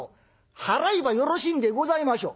払えばよろしいんでございましょ？」。